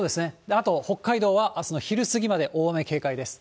あと、北海道はあすの昼過ぎまで大雨、警戒です。